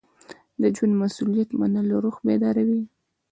د ژوند مسؤلیت منل روح بیداروي.